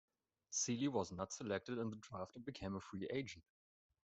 Sealy was not selected in the draft and became a free agent.